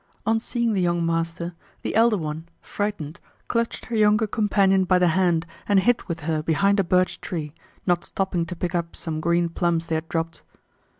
On seeing the young master, the elder one with frightened look clutched her younger companion by the hand and hid with her behind a birch tree, not stopping to pick up some green plums they had dropped.